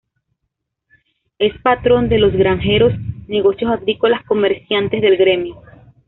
Es patrón de los granjeros, negocios agrícolas comerciantes del gremio.